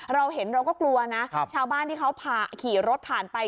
เราเห็นเราก็กลัวนะชาวบ้านที่เขาขี่รถผ่านไป